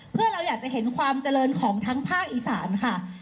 เพื่อเราอยากจะเห็นความเจริญของทั้งภาคอีสานค่ะ